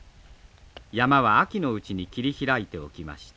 山は秋のうちに切り開いておきました。